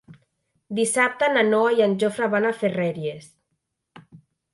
Dissabte na Noa i en Jofre van a Ferreries.